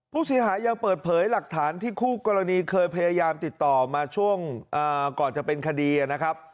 ผู้เสียหายยังเปิดเผยหลักฐานที่คู่กรณีเคยพยายามติดต่อมาช่วงก่อนจะเป็นคดีนะครับ